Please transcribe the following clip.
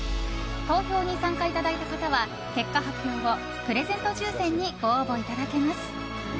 投票に参加いただいた方は結果発表後、プレゼント抽選にご応募いただけます。